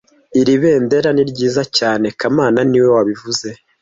Iri bendera ni ryiza cyane kamana niwe wabivuze